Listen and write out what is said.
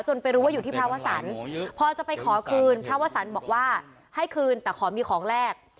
ไปรู้ว่าอยู่ที่พระวสันพอจะไปขอคืนพระวสันบอกว่าให้คืนแต่ขอมีของแลก